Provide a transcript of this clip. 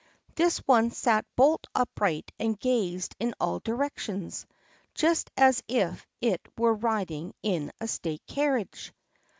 This one sat bolt upright and gazed in all directions, just as if it were riding in a state carriage.